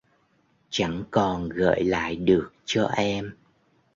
Chẳng còn gợi lại được cho em